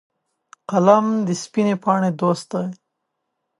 قلم د سپینې پاڼې دوست دی